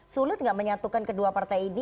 sulit nggak menyatukan kedua partai ini